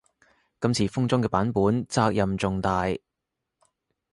今次封裝嘅版本責任重大